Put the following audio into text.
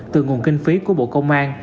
từ nguồn kinh phí của bộ công an